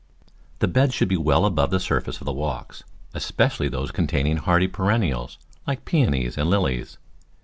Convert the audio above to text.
The beds should be well above the surface of the walks, especially those containing hardy perennials like Peonies and Lilies.